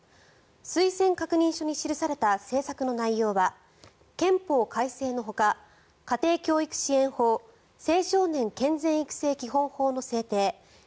推薦確認書に記された政策の内容は憲法改正のほか家庭教育支援法青少年健全育成基本法の制定